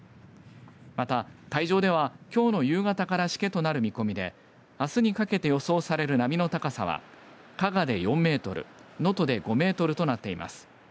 また、海上ではきょうの夕方からしけとなる見込みであすにかけて予想される波の高さは加賀で４メートル能登で５メートルとなっています。